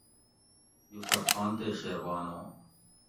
یوسف خان تے شیربانو